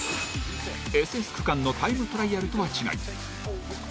ＳＳ区間のタイムトライアルとは違い